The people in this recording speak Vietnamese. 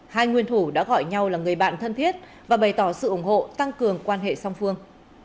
hai nguyên thủ đã gọi nhau là người bạn thân thiết và bày tỏ sự ủng hộ tăng cường quan hệ song phương